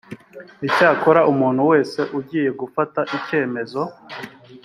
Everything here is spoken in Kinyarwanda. icyakora umuntu wese ugiye gufata icyemezo